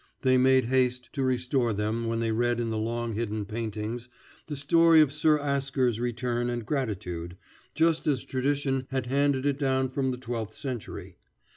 They made haste to restore them when they read in the long hidden paintings the story of Sir Asker's return and gratitude, just as tradition had handed it down from the twelfth century.